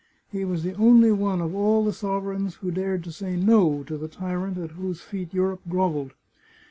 He was the only one of all the sovereigns who dared to say No to the tyrant at whose feet Europe grovelled.